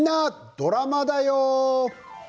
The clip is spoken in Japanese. ドラマだよ」。